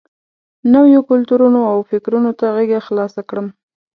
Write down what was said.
نویو کلتورونو او فکرونو ته غېږه خلاصه کړم.